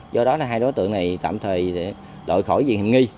do đó là hai đối tượng này tạm thời để đổi khỏi diện nghi